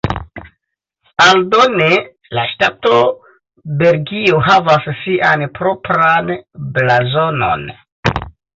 Aldone la ŝtato Belgio havas sian propran blazonon.